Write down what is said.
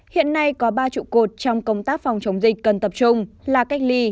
hiện nay có ba trụ cột trong công tác phòng chống dịch cần tập trung là cách ly